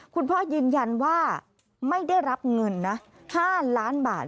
คุณพ่อยืนยันว่าไม่ได้รับเงินนะ๕ล้านบาท